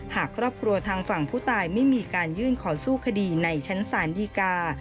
หากครอบครัวทางฝั่งผู้ตายไม่มีการยื่นขอสู้คดีในชั้นศาลดีกา